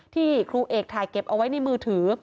ที่ครูเอกถ่ายเก็บเอาไว้ในมือถือ